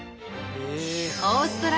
オーストラリア